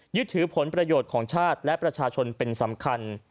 ยึดถือผลประโยชน์ของชาติและประชาชนเป็นสำคัญ